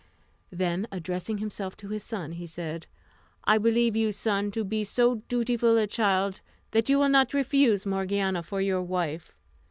Then addressing himself to his son, he said, "I believe you, son, to be so dutiful a child, that you will not refuse Morgiana for your wife.